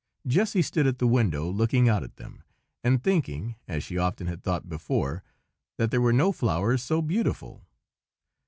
Jessy stood at the window, looking out at them, and thinking, as she often had thought before, that there were no flowers so beautiful.